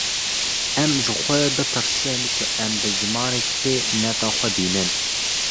Em ji xwe bipirsin ku em bi zimanê kê nêta xwe dînin